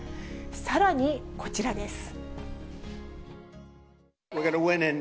さらに、こちらです。